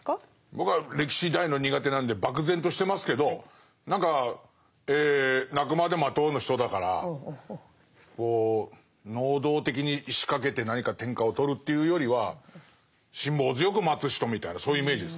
僕は歴史大の苦手なので漠然としてますけど何か「鳴くまで待とう」の人だから能動的に仕掛けて何か天下を取るというよりは辛抱強く待つ人みたいなそういうイメージですかね。